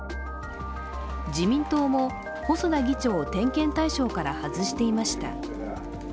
自民党も細田議長を点検対象から外していました。